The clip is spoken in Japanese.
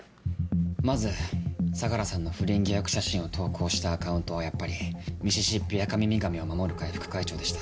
まず相良さんの不倫疑惑写真を投稿したアカウントはやっぱり「ミシシッピアカミミガメを守る会副会長」でした。